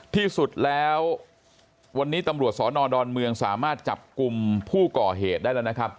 ที่สุดแล้ววันนี้ตำรวจสอนอดอนเมืองสามารถจับกลุ่มผู้ก่อเหตุได้แล้วนะครับ